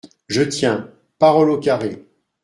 Je tiens… parole au carré !